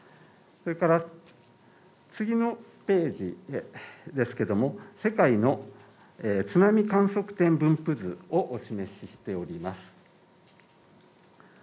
それから次のページですけども世界の津波観測点分布図をお示ししております